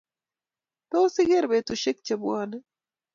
Tos, igeer betushiek chebwone?